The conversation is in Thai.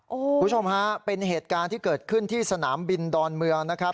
คุณผู้ชมฮะเป็นเหตุการณ์ที่เกิดขึ้นที่สนามบินดอนเมืองนะครับ